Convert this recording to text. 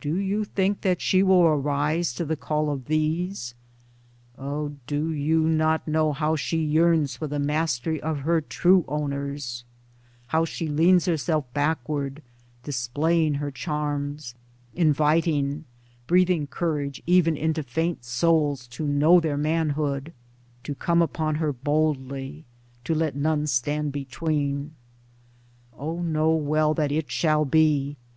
Do you think that she will arise to the call of these ? O do you not know how she yearns for the mastery of her true owners, how she leans herself backward, displaying her charms, inviting — breathing courage even into faint souls to know their manhood — to come upon her boldly, to let none stand between ? 60 Towards Democracy O know well that it shall be.